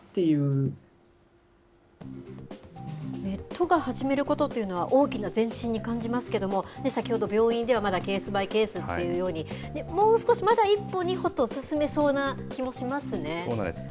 都が始めることっていうのは、大きな前進に感じますけども、先ほど病院ではまだケースバイケースというように、もう少しまだ１歩、２歩と進めそうな気もしますね。